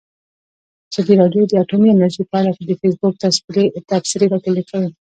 ازادي راډیو د اټومي انرژي په اړه د فیسبوک تبصرې راټولې کړي.